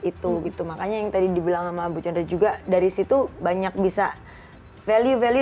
itu gitu makanya yang tadi dibilang sama bu chandra juga dari situ banyak bisa value value